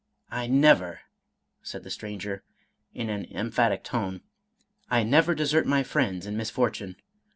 " I never," said the stranger, in an emphatic tone, —" I never desert my friends in misfortune.